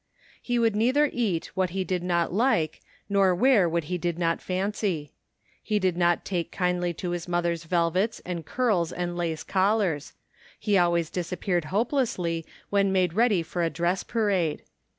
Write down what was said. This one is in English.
He would neither eat what he did not like, nor wear what he did not fancy. He did not take kindly to his mother's velvets and curls and lace collars. He always disappeared hopelessly when made ready for a dress parade.